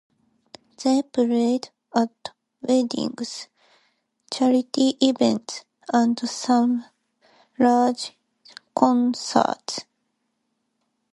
They played at weddings, charity events, and some large concerts.